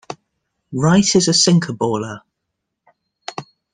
Wright is a sinkerballer.